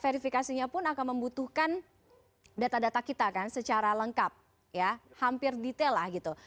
verifikasinya pun akan membutuhkan data data kita kan secara lengkap ya hampir detail lah gitu